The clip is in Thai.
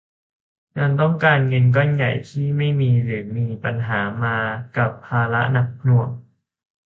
ยังต้องการเงินก้อนใหญ่ที่ไม่มี หรือมีปัญหามากับภาระหนักหน่วง